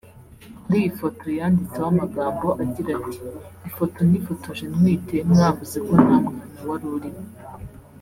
Kuri iyi foto yanditseho amagambo agira ati “Ifoto nifotoje ntwite mwavuze ko nta mwana wari urimo